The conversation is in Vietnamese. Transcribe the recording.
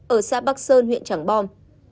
ở xã bắc sơn huyện trảng bom